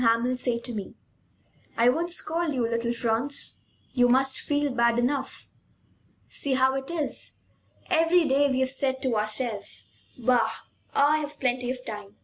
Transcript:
Hamel say to me: "I won't scold you, little Franz; you must feel bad enough. See how it is! Every day we have said to ourselves: 'Bah! I've plenty of time.